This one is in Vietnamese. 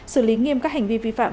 xử lý nghiêm các hành vi vi phạm